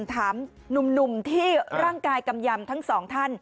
ถามหนุ่มที่ร่างกายกำยำทั้งสองท่าน